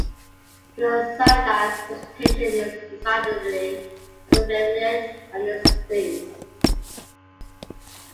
Thucydides' presentation is decidedly ambivalent on this theme.